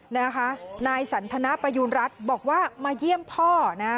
นะคะนายสันทนปยุรัติบอกว่ามาเยี่ยมพ่อนะ